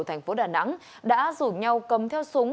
thành phố đà nẵng đã rủ nhau cầm theo súng